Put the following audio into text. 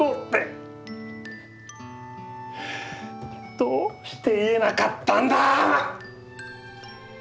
どうして言えなかったんだ！